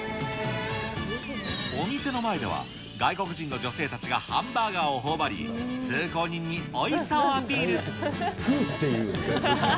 お店の前では、外国人の女性たちがハンバーガーをほおばり、通行人においしさをアピール。